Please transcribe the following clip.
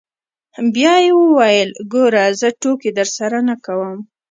بيا يې وويل ګوره زه ټوکې درسره نه کوم.